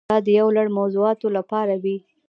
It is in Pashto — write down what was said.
دا د یو لړ موضوعاتو لپاره وي.